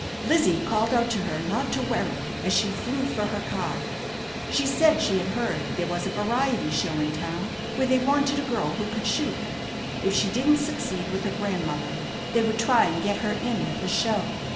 Lizzie called out to her not to worry, as she flew for her car. She said she had heard there was a variety show in town where they wanted a girl who could shoot. If she didn't succeed with her grandmother, they would try and get her in at the show.